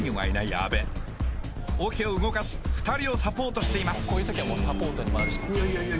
阿部桶を動かし２人をサポートしています